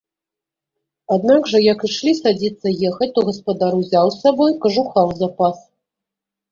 Аднак жа як ішлі садзіцца ехаць, то гаспадар узяў з сабой кажуха ў запас.